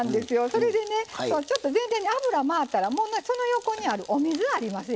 それでねちょっと全体に油が回ったらその横にあるお水ありますでしょ